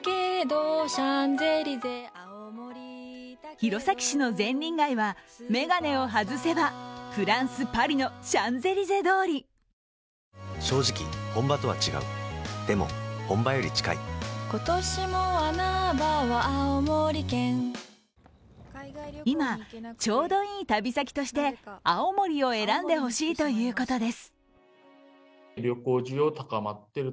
弘前市の禅林街は眼鏡を外せば、フランス・パリのシャンゼリゼ通り今、ちょうどいい旅先として青森を選んでほしいということです。